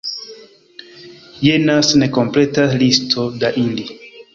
Jenas nekompleta listo da ili.